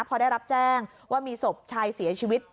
พอได้รับแจ้งว่ามีศพชายเสียชีวิต